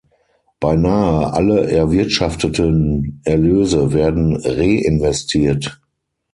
Beinahe alle erwirtschafteten Erlöse werden reinvestiert.